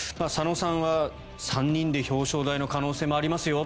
佐野さんは３人で表彰台の可能性もあります